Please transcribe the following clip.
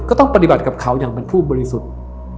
ก็ต้องปฏิบัติกับเขาอย่างเป็นผู้บริสุทธิ์